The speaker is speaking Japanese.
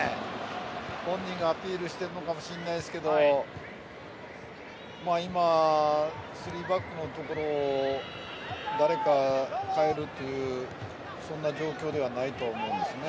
本人がアピールしているのかもしれないですけど今、３バックのところを誰か代えるというそんな状況ではないと思うんですね。